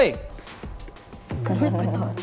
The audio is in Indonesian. buruan dong weh